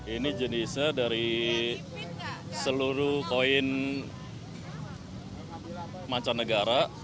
ini jenisnya dari seluruh koin mancanegara